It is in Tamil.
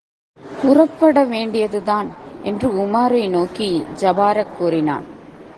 புறப்படவேண்டியதுதான் என்று உமாரை நோக்கி ஜபாரக் கூறினான்.